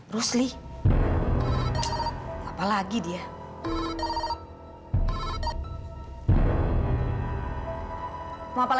dan mem curahkan diri dengan gagal ya